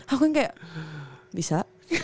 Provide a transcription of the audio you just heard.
aku yang kayak bisa